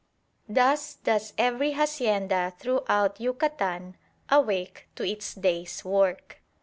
Thus does every hacienda throughout Yucatan awake to its day's work.